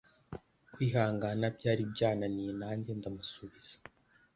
kwihangana byari byananiye nanjye ndamusubiza